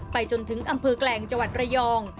จนถึงอำเภอแกลงจังหวัดระยอง